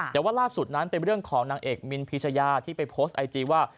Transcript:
แต่ว่าล่าสุดนั้นเป็นเรื่องของนางเอกมินพีชยาที่ไปโพสต์ไอจีว่า